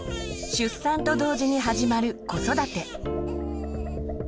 出産と同時に始まる子育て。